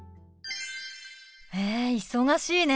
へえ忙しいね。